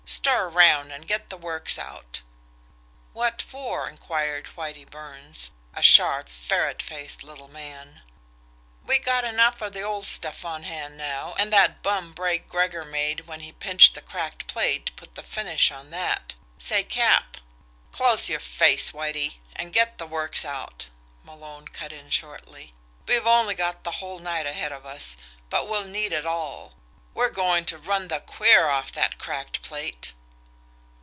Stir around and get the works out!" "What for?" inquired Whitie Burns, a sharp, ferret faced little man. "We got enough of the old stuff on hand now, and that bum break Gregor made when he pinched the cracked plate put the finish on that. Say, Cap " "Close your face, Whitie, and get the works out!" Malone cut in shortly. "We've only got the whole night ahead of us but we'll need it all. We're going to run the queer off that cracked plate."